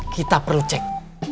kita perlu cek